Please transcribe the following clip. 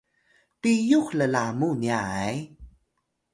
piyux llamu nya ay